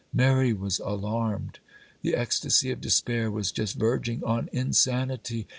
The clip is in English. Mary was alarmed,—the ecstasy of despair was just verging on insanity.